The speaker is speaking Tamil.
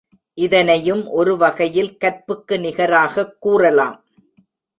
இதனையும் ஒருவகையில் கற்புக்கு நிகராகக் கூறலாம்.